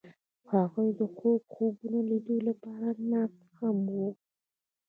هغوی د خوږ خوبونو د لیدلو لپاره ناست هم وو.